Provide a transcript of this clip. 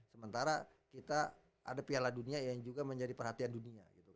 sementara kita ada piala dunia yang juga menjadi perhatian dunia gitu